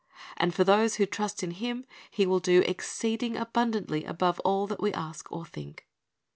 "'' And for those who trust in Him He will do "exceeding abundantly above all that we ask or think."